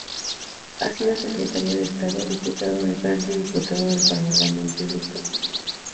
Ha sido secretario de estado, diputado de Francia y diputado del Parlamento Europeo.